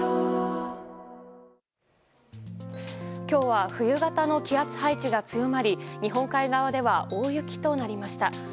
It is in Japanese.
今日は冬型の気圧配置が強まり日本海側では大雪となりました。